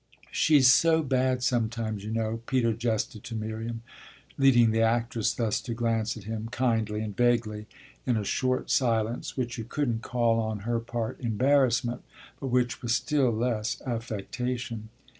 "She's so bad sometimes, you know!" Peter jested to Miriam; leading the actress thus to glance at him, kindly and vaguely, in a short silence which you couldn't call on her part embarrassment, but which was still less affectation.